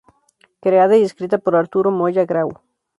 Creada y escrita por Arturo Moya Grau.